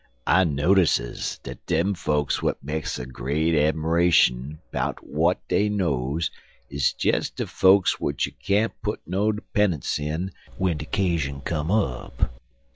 "I notices dat dem fokes w'at makes a great 'miration 'bout w'at dey knows is des de fokes w'ich you can't put no 'pennunce in w'en de 'cashun come up.